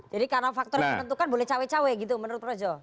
jadi karena faktor yang menentukan boleh cawe cawe gitu menurut projo